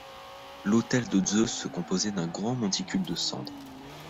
L’autel de Zeus se composait d’un grand monticule de cendres.